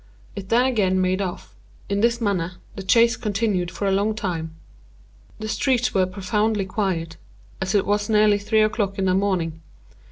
It then again made off. In this manner the chase continued for a long time. The streets were profoundly quiet, as it was nearly three o'clock in the morning.